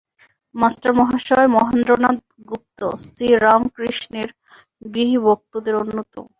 মাষ্টারমহাশয় মহেন্দ্রনাথ গুপ্ত, শ্রীরামকৃষ্ণের গৃহী-ভক্তদের অন্যতম।